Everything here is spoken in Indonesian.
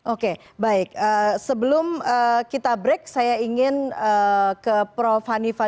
oke baik sebelum kita break saya ingin ke prof hanifah